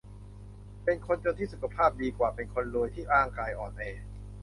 เป็นคนจนที่สุขภาพดีกว่าเป็นคนรวยที่ร่างกายอ่อนแอ